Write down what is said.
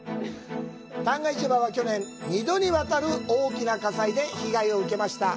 旦過市場は、去年、２度にわたる大きな火災で被害を受けました。